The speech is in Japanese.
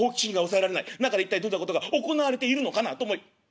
中で一体どんなことが行われているのかなと思い